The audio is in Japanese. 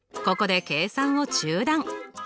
ここで計算を中断！